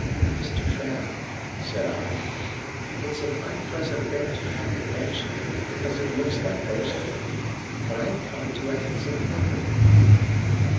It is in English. "Mr. Trabb," said I, "it's an unpleasant thing to have to mention, because it looks like boasting; but I have come into a handsome property."